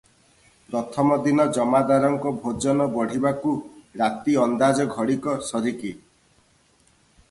ପ୍ରଥମ ଦିନ ଜମାଦାରଙ୍କ ଭୋଜନ ବଢ଼ିବାକୁ ରାତି ଅନ୍ଦାଜ ଘଡିକ ସରିକି ।